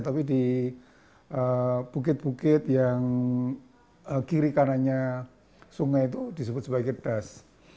tapi di bukit bukit yang kiri kanannya sungai itu disebut sebagai das